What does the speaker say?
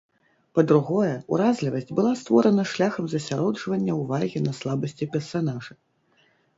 Па-другое, уразлівасць была створана шляхам засяроджвання ўвагі на слабасці персанажа.